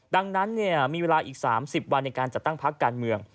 ดังนั้นมีเวลาอีก๓๐วันในการจัดตั้งพักการเมือง